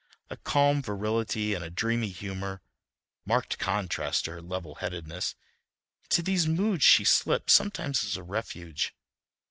A calm virility and a dreamy humor, marked contrasts to her level headedness—into these moods she slipped sometimes as a refuge.